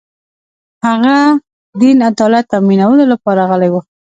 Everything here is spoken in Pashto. هغه دین عدالت تأمینولو لپاره راغلی و